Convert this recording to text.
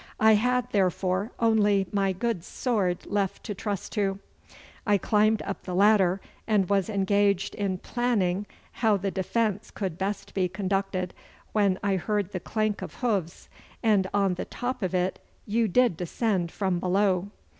I had, therefore, only my good sword left to trust to. I climbed up the ladder, and was engaged in planning how the defence could best be conducted, when I heard the clank of hoofs, and on the top of it you did ascend from below.